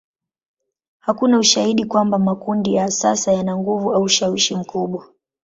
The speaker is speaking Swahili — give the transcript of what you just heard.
Hakuna ushahidi kwamba makundi ya sasa yana nguvu au ushawishi mkubwa.